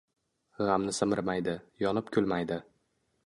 G’amni simirmaydi, yonib kulmaydi